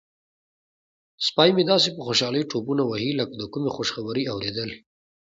سپی مې داسې په خوشحالۍ ټوپونه وهي لکه د کومې خوشخبرۍ اوریدل.